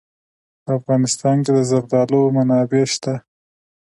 په افغانستان کې د زردالو منابع شته.